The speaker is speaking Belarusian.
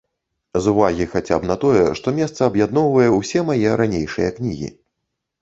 З увагі хаця б на тое, што месца аб'ядноўвае ўсе мае ранейшыя кнігі.